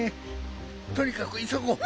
とにかくいそごう。